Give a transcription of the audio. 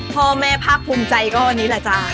พ่อแม่ภาคภูมิใจก็วันนี้แหละจ๊ะ